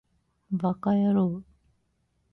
ヴぁかやろう